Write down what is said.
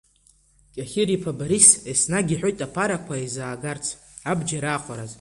Кьахьыриԥа Борис еснагь иҳәоит аԥарақәа еизаагарц, абџьар аахәараз.